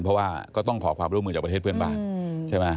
เพราะว่าก็ต้องขอความร่วมมือจากประเทศเพื่อนบ้านใช่ไหม